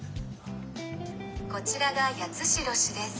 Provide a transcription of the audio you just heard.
「こちらが八代市です」。